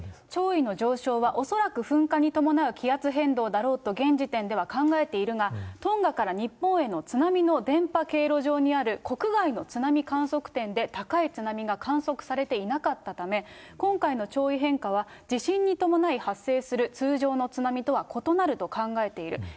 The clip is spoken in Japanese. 潮位の上昇は、恐らく噴火に伴う気圧変動だろうと、現時点では考えているが、トンガから日本への津波の電波経路上にある国外の津波観測点で高い津波が観測されていなかったため、今回の潮位変化は、地震に伴い発生する通常の津波とは異なると考えている。